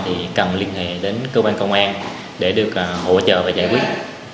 thì cần liên hệ đến cơ quan công an để được hỗ trợ và giải quyết